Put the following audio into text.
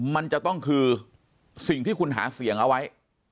มันจะต้องคือสิ่งที่คุณหาเสียงเอาไว้